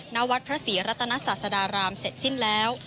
ณวัดพระศรีรัตนศาสดารามเสร็จสิ้นแล้ว